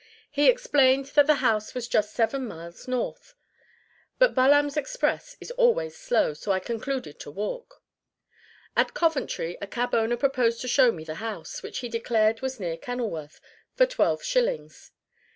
He explained that the house was just seven miles north; but Baalam's express is always slow, so I concluded to walk. At Coventry a cab owner proposed to show me the house, which he declared was near Kenilworth, for twelve shillings.